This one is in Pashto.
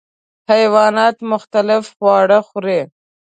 حیوانات مختلف خواړه خوري.